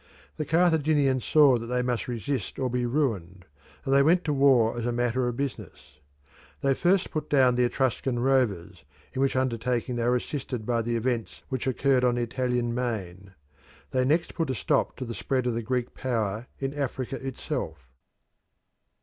The Carthaginians saw that they must resist or be ruined, and they went to war as a matter of business. They first put down the Etruscan rovers, in which undertaking they were assisted by the events which occurred on the Italian main. They next put a stop to the spread of the Greek power in Africa itself.